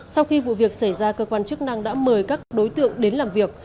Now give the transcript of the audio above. sau khi vụ việc xảy ra cơ quan chức năng đã mời các đối tượng đến làm việc